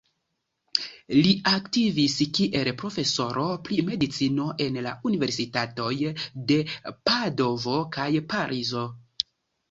Li aktivis kiel profesoro pri medicino en la Universitatoj de Padovo kaj Parizo.